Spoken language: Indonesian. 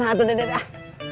lo kemana tuh dede dah